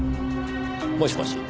もしもし。